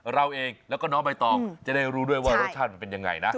เราเองแล้วก็น้องใบตองจะได้รู้ด้วยว่ารสชาติมันเป็นยังไงนะ